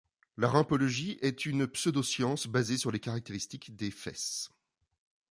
La rumpologie est une pseudo-science basée sur les caractéristiques des fesses.